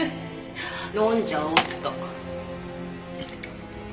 飲んじゃおうっと。